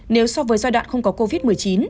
nếu so với giai đoạn không có covid một mươi chín